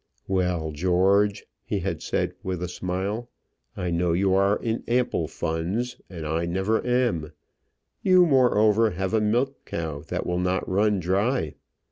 "Well, George," he had said with a smile, "I know you are in ample funds, and I never am. You, moreover, have a milch cow that will not run dry.